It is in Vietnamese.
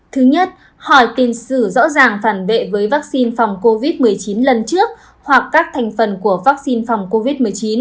thứ nhất hỏi tiền sử rõ ràng phản bệ với vaccine phòng covid một mươi chín lần trước hoặc các thành phần của vaccine phòng covid một mươi chín